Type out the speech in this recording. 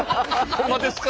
ホンマですか！